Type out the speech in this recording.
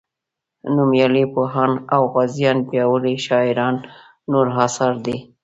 نومیالي پوهان او غازیان پیاوړي شاعران نور اثار دي.